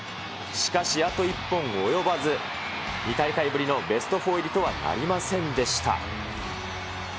しかしあと１本及ばず、２大会ぶりのベスト４入りとはなりませんでした。